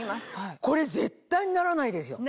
これ絶対にならないでしょ。